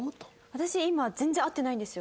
私今全然合ってないんですよ。